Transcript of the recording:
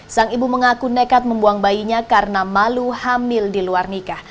sang ibu mengaku nekat membuang bayinya karena malu hamil di luar nikah